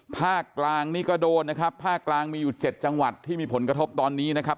ภาคกลางมีอยู่๗จังหวัดที่มีผลกระทบตอนนี้นะครับ